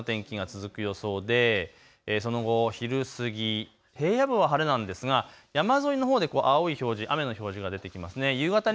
昼前にかけてもこういった晴れの天気が続く予想で、その後、昼過ぎ、平野部は晴れなんですが山沿いのほうで青い表示、雨の表示が出てきますね。